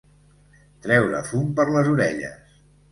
Treure fum per les orelles.